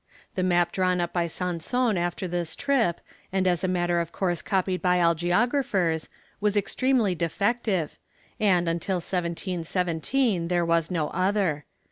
The map drawn up by Sanson after this trip, and as a matter of course copied by all geographers, was extremely defective, and until 1717 there was no other.